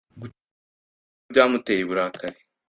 Guceceka kwe ni byo byamuteye uburakari.